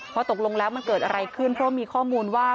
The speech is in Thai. ตกลงแล้วมันเกิดอะไรขึ้นเพราะมีข้อมูลว่า